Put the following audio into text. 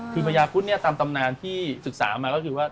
คือพญาพุทธเนี่ยตามตำนานที่ศึกษามาก็คือว่า